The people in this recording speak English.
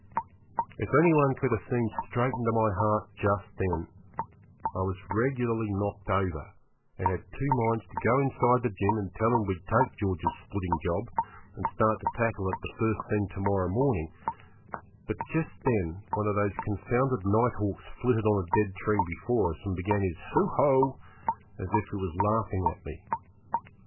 If any one could have seen straight into my heart just then I was regularly knocked over, and had two minds to go inside to Jim and tell him we'd take George's splitting job, and start to tackle it first thing to morrow morning; but just then one of those confounded night hawks flitted on a dead tree before us and began his 'hoo ho', as if it was laughing at me.